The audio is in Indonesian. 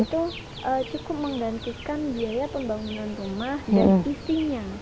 itu cukup menggantikan biaya pembangunan rumah dan isinya